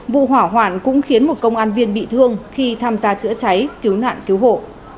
vụ hỏa hoạn cũng khiến một công an viên bị thương khi tham gia chữa cháy cứu nạn cứu hộ